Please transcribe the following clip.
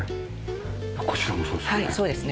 こちらもそうですよね。